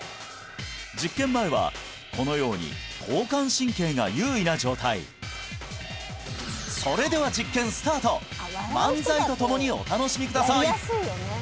実験前はこのように交感神経が優位な状態それでは漫才とともにお楽しみください